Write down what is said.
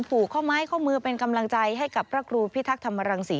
ผูกข้อไม้ข้อมือเป็นกำลังใจให้กับพระครูพิทักษ์ธรรมรังศรี